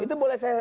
itu boleh saya